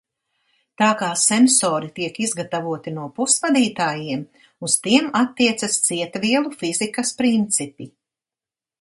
Tā kā sensori tiek izgatavoti no pusvadītājiem, uz tiem attiecas cietvielu fizikas principi.